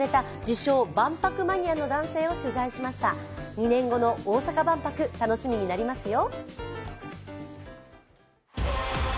２年後の大阪万博、楽しみになりますよ。